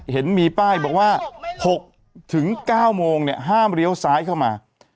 เห็นมีป้ายบอกว่า๖๙โมงห้ามเลี้ยวซ้ายเข้ามา